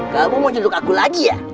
kamu mau jeduk aku lagi ya